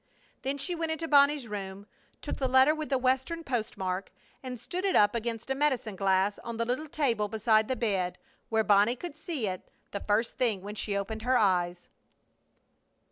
Then she went into Bonnie's room, took the letter with the Western postmark, and stood it up against a medicine glass on the little table beside the bed, where Bonnie could see it the first thing when she opened her eyes.